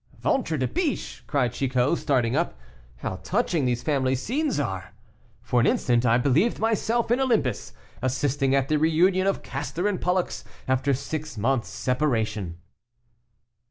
"Ventre de biche!" cried Chicot, starting up, "how touching these family scenes are! For an instant I believed myself in Olympus, assisting at the reunion of Castor and Pollux after six months' separation."